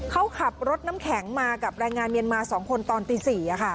เขาขับรถน้ำแข็งมากับแรงงานเมียนมา๒คนตอนตี๔